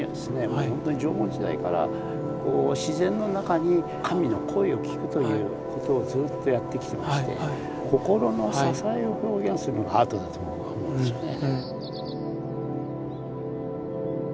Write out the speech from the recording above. もうほんとに縄文時代から自然の中に神の声を聴くということをずっとやってきてまして心の支えを表現するのがアートだと僕は思うんですよね。